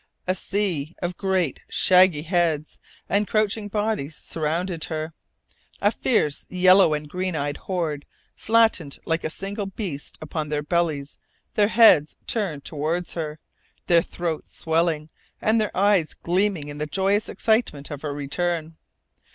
A sea of great shaggy heads and crouching bodies surrounded her, a fierce yellow and green eyed horde flattened like a single beast upon their bellies their heads turned toward her, their throats swelling and their eyes gleaming in the joyous excitement of her return.